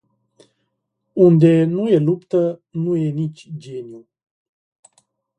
Unde nu e luptă, nu e nici geniu.